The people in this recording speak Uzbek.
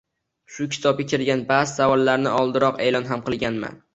Shu kitobga kirgan baʼzi savollarni oldinroq eʼlon ham qilganman